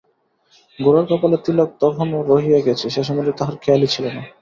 গোরার কপালে তিলক তখনো রহিয়া গেছে, সে সম্বন্ধে তাহার খেয়ালই ছিল না।